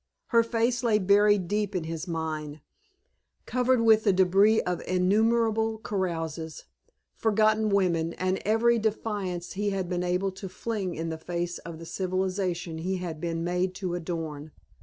Her face lay buried deep in his mind, covered with the debris of innumerable carouses, forgotten women, and every defiance he had been able to fling in the face of the civilization he had been made to adorn.